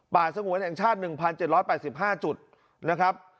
สงวนแห่งชาติ๑๗๘๕จุดนะครับ